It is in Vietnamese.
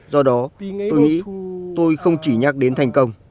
do đó tôi nghĩ tôi không chỉ nhắc đến thành công